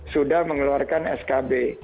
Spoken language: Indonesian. sudah mengeluarkan skb